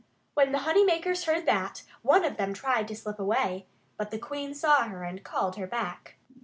When the honey makers heard that, one of them tried to slip away. But the Queen saw her and called her back.